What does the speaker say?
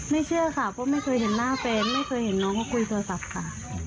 เชื่อค่ะเพราะไม่เคยเห็นหน้าแฟนไม่เคยเห็นน้องมาคุยโทรศัพท์ค่ะ